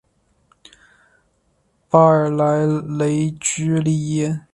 巴尔莱雷居利耶。